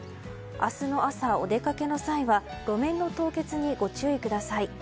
明日の朝、お出かけの際は路面の凍結にご注意ください。